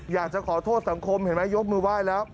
อยากจะขอโทษสังคมเห็นไหมยกมือไหว้แล้ว